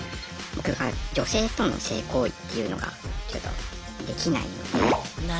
僕が女性との性行為っていうのがちょっとできないので。